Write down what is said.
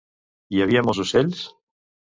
Hi havia molts ocells?